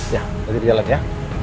ya lagi di jalan ya